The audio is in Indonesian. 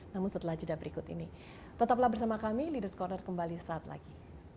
namun setelah jeda berikut ini tetaplah bersama kami ⁇ leaders ⁇ corner kembali saat lagi